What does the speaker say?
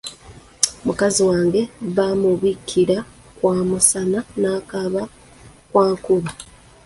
Mukazi wange bamubikira kwa musana n'akaaba kwa nkuba.